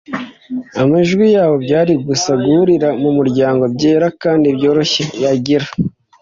amajwi yabo; byari gusa 'guhurira mumuryango - byera kandi byoroshye'. yagira